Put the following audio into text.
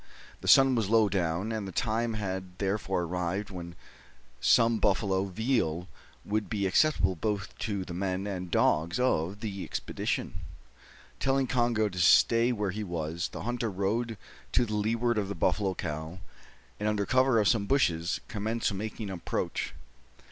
The sun was low down; and the time had therefore arrived when some buffalo veal would be acceptable both to the men and dogs of the expedition. Telling Congo to stay where he was, the hunter rode to the leeward of the buffalo cow, and, under cover of some bushes, commenced making approach.